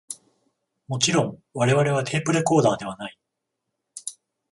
もちろん我々はテープレコーダーではない